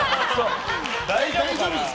大丈夫ですか。